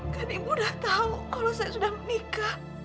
kan ibu udah tahu kalau saya sudah menikah